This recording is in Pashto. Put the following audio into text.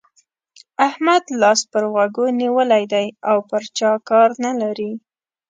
احمد لاس پر غوږو نيولی دی او پر چا کار نه لري.